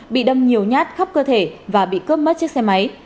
bị đâm nhiều nhát khắp cơ thể và bị cướp mất chiếc xe máy